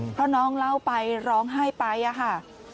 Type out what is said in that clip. พ่อน้องเล่าไปร้องให้ไปค่ะ